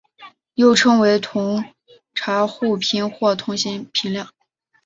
又称为同侪互评或同行评量。